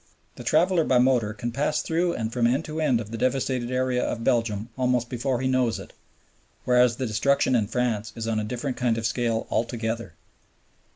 The traveler by motor can pass through and from end to end of the devastated area of Belgium almost before he knows it; whereas the destruction in France is on a different kind of scale altogether.